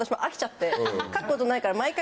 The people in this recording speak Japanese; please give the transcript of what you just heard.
書くことないから。